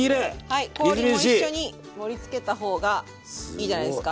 はい氷も一緒に盛りつけた方がすごいいいじゃないですか。